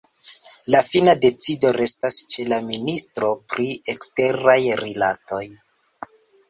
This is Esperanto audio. La fina decido restas ĉe la ministro pri eksteraj rilatoj.